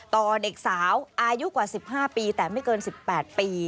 ต่อเด็กสาวอายุกว่า๑๕ปีแต่ไม่เกิน๑๘ปี